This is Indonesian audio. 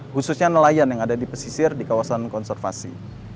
khususnya nelayan yang ada di pesisir di kawasan konservasi